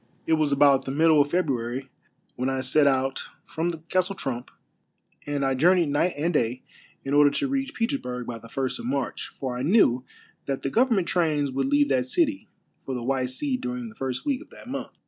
It was about the middle of February when I set out from the Castle Trump, and I journeyed night and day in order to reach Petersburg by the first of March, for I knew that the govern ment trains would leave that city for the White Sea during the first week of that month.